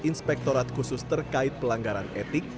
inspektorat khusus terkait pelanggaran etik